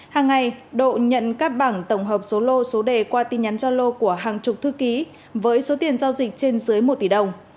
hàng ngày độ nhận các bảng tổng hợp số lô số đề qua tin nhắn gia lô của hàng chục thư ký với số tiền giao dịch trên dưới một tỷ đồng